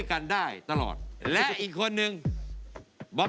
คุณฟังผมแป๊บนึงนะครับ